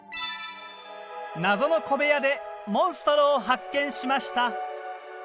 謎の小部屋でモンストロを発見しました。